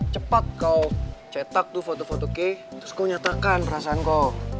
cepat kau cetak tuh foto foto k terus kau nyatakan perasaanku